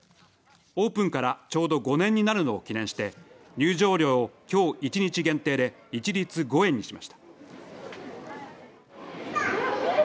オープンからちょうど５年になるのを記念して入場料を、きょう１日限定で一律５円にしました。